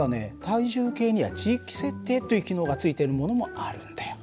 体重計には地域設定という機能がついてるものもあるんだよ。